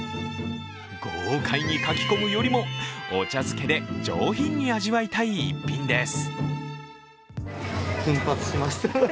豪快にかき込むよりもお茶づけで上品に味わいたい逸品です。